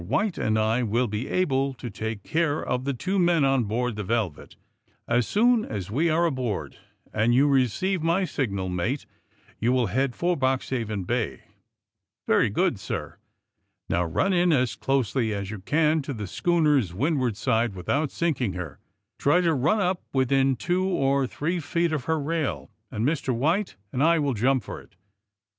"White and I will be able to take care of the two men on board the * Velvet.' As soon as we are aboard, and you receive my signal, mate, you will head for Boxbaven Bay." '^Very good, sir." '^Now, run in as closely as you can to the schooner's windward side without sinking her. Try to run up within two or three feet of her rail, and Mr. White and I will jump for it.